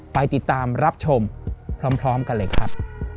ไปติดตามรับชมพร้อมกันเลยครับ